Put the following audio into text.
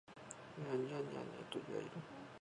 庭には二羽鶏がいる